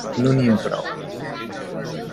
No n'hi ha prou.